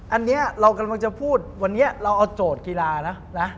อันนี้เรากำลังจะพูดวันนี้เราเอาโจทย์กีฬานะนะ